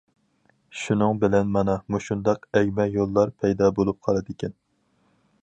شۇنىڭ بىلەن مانا مۇشۇنداق ئەگمە يوللار پەيدا بولۇپ قالىدىكەن.